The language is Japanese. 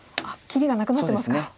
あっ切りがなくなってますか。